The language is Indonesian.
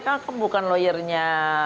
kamu bukan lawyernya